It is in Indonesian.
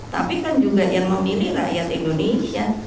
tapi kan juga yang memilih rakyat indonesia